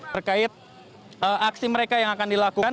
terkait aksi mereka yang akan dilakukan